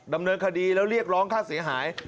ดำเนินคดีแล้วเรียกร้องค่าเสียหาย